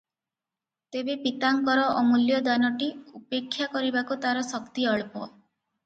ତେବେ ପିତାଙ୍କର ଅମୂଲ୍ୟ ଦାନଟି ଉପେକ୍ଷା କରିବାକୁ ତାର ଶକ୍ତି ଅଳ୍ପ ।